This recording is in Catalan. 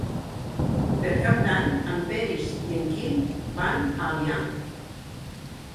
Per Cap d'Any en Peris i en Quim van a Avià.